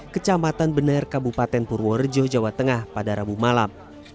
kecamatan bener kabupaten purworejo jawa tengah pada rabu malam